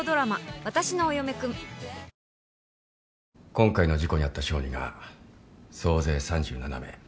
今回の事故に遭った小児が総勢３７名。